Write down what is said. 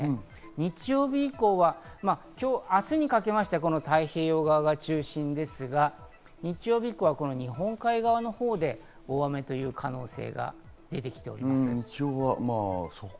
日曜日以降は今日明日にかけては太平洋側が中心ですが、日曜日以降は日本海側のほうで大雨という可能性が出てきています。